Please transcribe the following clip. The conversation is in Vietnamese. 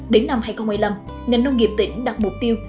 đến năm hai nghìn một mươi năm ngành nông nghiệp tỉnh đặt mục tiêu